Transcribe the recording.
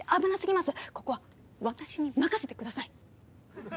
ここは私に任せてください。